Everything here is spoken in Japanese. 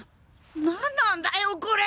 何なんだよこれ！